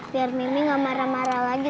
biar mimi gak marah marah lagi